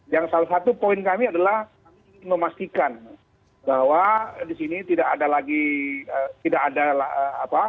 yang salah satu poin kami adalah ingin memastikan bahwa di sini tidak ada lagi tidak ada apa